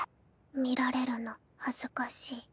見られるの恥ずかしい。